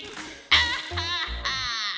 アッハッハ！